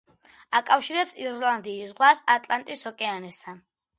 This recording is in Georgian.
აკავშირებს ირლანდიის ზღვას ატლანტის ოკეანესთან.